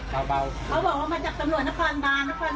เขาบอกว่าเพราะมันจากตำรวจนครบางตำรวจนครบาง